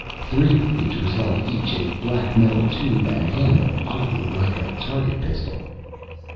Three of the creatures held each a black metal tube and handle oddly like a target pistol.